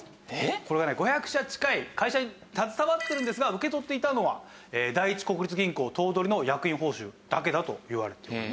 これがね５００社近い会社に携わってるんですが受け取っていたのは第一国立銀行頭取の役員報酬だけだといわれております。